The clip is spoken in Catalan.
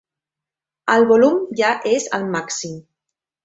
El volum ja és al màxim.